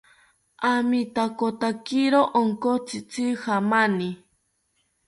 Amitakotakiro onkotzitzi jamani